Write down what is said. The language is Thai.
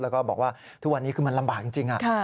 แล้วก็บอกว่าทุกวันนี้คือมันลำบากจริง